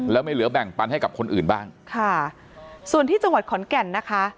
แล้วไม่เหลือแบ่งปันให้กับคนอื่นบ้างค่ะส่วนที่จังหวัดขอนแก่นนะคะ